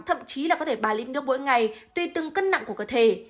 thậm chí là có thể ba lít nước mỗi ngày tùy từng cân nặng của cơ thể